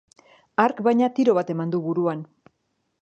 Hark, baina, tiro bat eman du buruan.